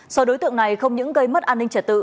do đối tượng này không những gây mất an ninh trả tự